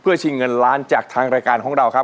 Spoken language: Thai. ชิงเงินล้านจากทางรายการของเราครับ